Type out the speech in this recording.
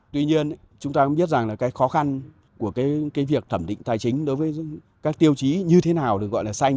tuy nhiên chúng ta cũng biết rằng khó khăn của việc thẩm định tài chính đối với các tiêu chí như thế nào được gọi là xanh